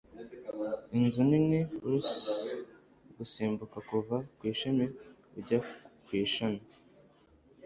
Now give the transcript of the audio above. inzu nini wrens gusimbuka kuva ku ishami ujya ku ishami